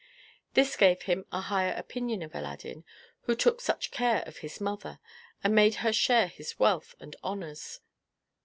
This gave him a higher opinion of Aladdin, who took such care of his mother, and made her share his wealth and honors.